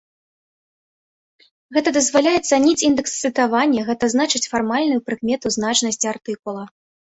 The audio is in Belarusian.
Гэта дазваляе ацаніць індэкс цытавання, гэта значыць фармальную прыкмету значнасці артыкула.